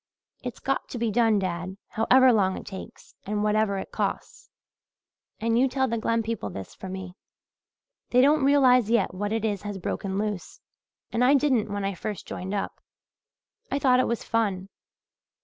It's got to be done, dad, however long it takes, and whatever it costs, and you tell the Glen people this for me. They don't realize yet what it is has broken loose I didn't when I first joined up. I thought it was fun.